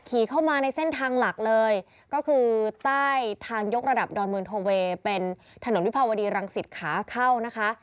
ขี่เข้ามาในเส้นทางหลักเลยก็คือใต้ทางยกระดับดอนเมืองโทเวย์เป็นถนนวิภาวดีรังสิตขาเข้านะคะ